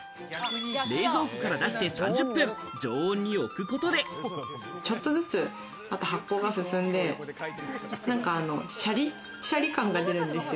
冷蔵庫から出して３０分、常温に置くことで、ちょっとずつまた発酵が進んで、シャリシャリ感が出るんですよ。